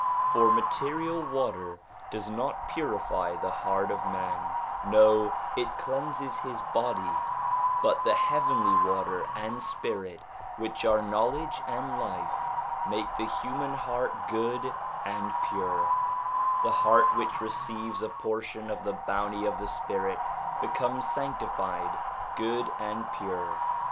For material water does not purify the heart of man : no, it cleanses his body ; but the heavenly water and spirit, which are knowledge and life, make the human heart good and pure; the heart which receives a portion of the bounty of the Spirit becomes sanctified, good, and pure.